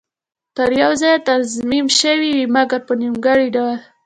تر یوه ځایه تنظیم شوې وې، مګر په نیمګړي ډول.